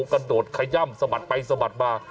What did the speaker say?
กระโดดขย้ำสมัดไปสมัดมา